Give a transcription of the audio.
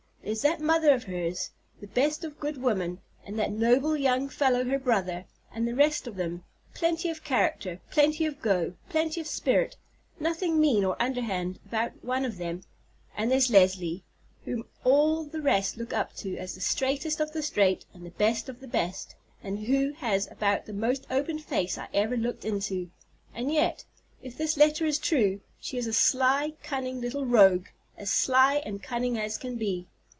There's that mother of hers, the best of good women, and that noble young fellow her brother, and the rest of 'em; plenty of character, plenty of go, plenty of spirit, nothing mean or underhand about one of them; and there's Leslie, whom all the rest look up to as the straightest of the straight and the best of the best, and who has about the most open face I ever looked into; and yet, if this letter is true, she is a sly, cunning little rogue, as sly and cunning as can be.